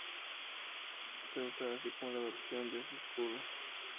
Ceuta, así como la adopción de su escudo.